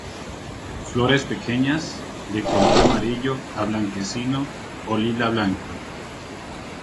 Flores pequeñas, de color amarillo a blanquecino o lila-blanco.